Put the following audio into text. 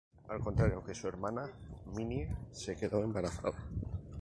Al contrario que su hermana, Minnie se quedó embarazada.